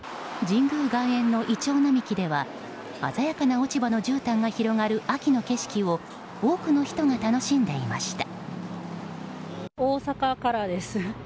神宮外苑のイチョウ並木では鮮やかな落ち葉の絨毯が広がる秋の景色を多くの人が楽しんでいました。